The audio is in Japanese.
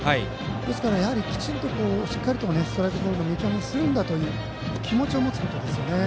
ですから、きちんとストライク、ボールの見極めをするんだという気持ちを持つことですね。